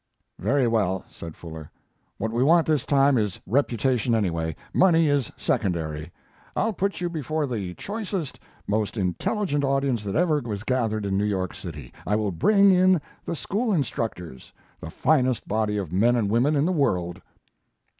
"Very well," said Fuller; "what we want this time is reputation anyway money is secondary. I'll put you before the choicest, most intelligent audience that ever was gathered in New York City. I will bring in the school instructors the finest body of men and women in the world."